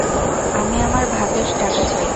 আমি আমার ভাগের টাকা চাই।